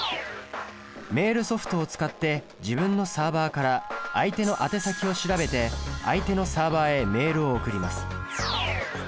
メールソフトを使って自分のサーバから相手の宛先を調べて相手のサーバへメールを送ります。